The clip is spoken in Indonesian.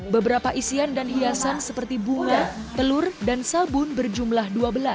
beberapa isian dan hiasan seperti bunga telur dan sabun berjumlah dua belas